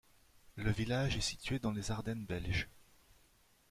Le village est situé dans les Ardennes belges.